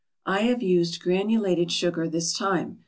I have used granulated sugar this time.